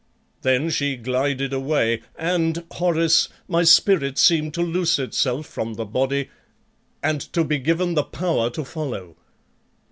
"Then she glided away, and, Horace, my spirit seemed to loose itself from the body and to be given the power to follow.